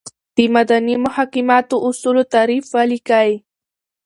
دمدني محاکماتو اصولو تعریف ولیکئ ؟